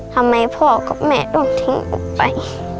ทำไมพ่อกับแม่ต้องทิ้งกูไป